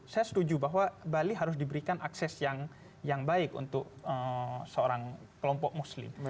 saya setuju bahwa bali harus diberikan akses yang baik untuk seorang kelompok muslim